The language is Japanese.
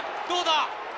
どうだ？